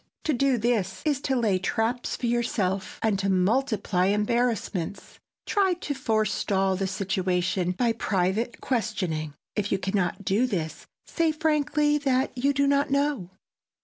To do this is to lay traps for yourself and to multiply embarrassments. Try to forestall the situation by private questioning; if you can not do this say frankly that you do not know.